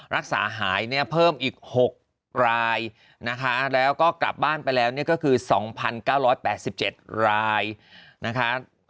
รักษาหายเนี่ยเพิ่มอีก๖รายนะคะแล้วก็กลับบ้านไปแล้วเนี่ยก็คือ๒๙๘๗รายนะคะ